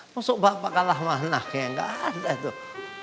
masuk bapak kalah manahnya gak ada tuh